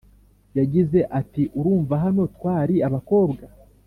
yagize ati" urumva hano twari abakobwa